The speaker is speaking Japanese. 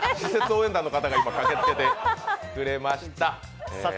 応援団の方が今、駆けつけてくれました。